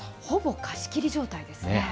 ほぼ貸し切り状態ですね。